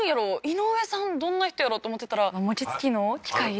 井上さんどんな人やろ？と思ってたら餅つきの機械？